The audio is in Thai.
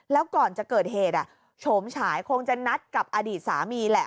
แล้วก่อนจะเกิดเหตุโฉมฉายคงจะนัดกับอดีตสามีแหละ